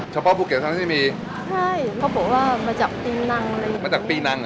ใช่เขาบอกว่ามาจากปีนัง